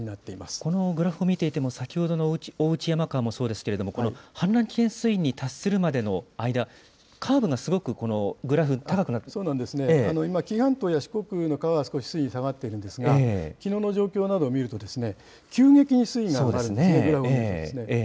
このグラフを見ていても、先ほどの大内山川もそうですけれども、この氾濫危険水位に達するまでの間、カーブがすごく、このグ今、紀伊半島や四国の川は少し水位が下がっているんですが、きのうの状況などを見ると、急激に水位が上がるんですね、グラフを見るとですね。